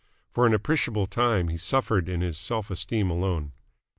For an appreciable time he suffered in his self esteem alone.